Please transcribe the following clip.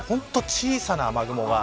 小さな雨雲が。